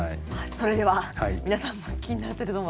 それでは皆さんも気になっていると思う。